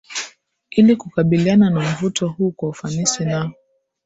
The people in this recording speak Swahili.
Ili kukabiliana na mvuto huu kwa ufanisi na